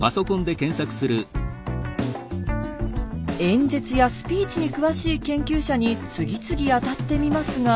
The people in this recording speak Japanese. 演説やスピーチに詳しい研究者に次々当たってみますが。